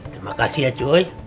terima kasih ya cuy